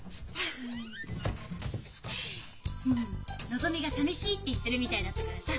のぞみがさみしいって言ってるみたいだったからさ